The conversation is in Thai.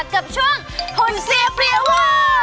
กับช่วงหุ่นเสียเปรียเวอร์